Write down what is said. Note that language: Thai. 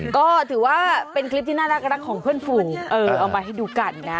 ก็ถือว่าเป็นคลิปที่น่ารักของเพื่อนฝูงเอามาให้ดูกันนะ